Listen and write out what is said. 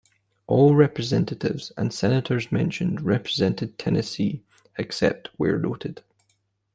All representatives and senators mentioned represented Tennessee except where noted.